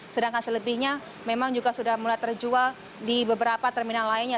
sedangkan selebihnya memang juga sudah mulai terjual di beberapa terminal lainnya